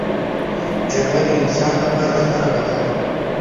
جګړه د انسانانو لپاره ستره بلا ده